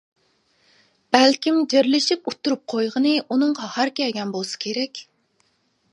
بەلكىم جىرلىشىپ ئۇتتۇرۇپ قويغىنى ئۇنىڭغا ھار كەلگەن بولسا كېرەك.